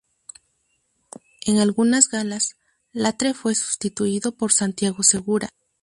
En algunas galas, Latre fue sustituido por Santiago Segura.